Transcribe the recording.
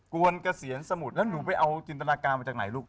วนเกษียณสมุทรแล้วหนูไปเอาจินตนาการมาจากไหนลูก